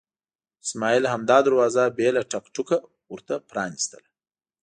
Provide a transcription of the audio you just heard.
اسماعیل همدا دروازه بې له ټک ټکه ورته پرانستله.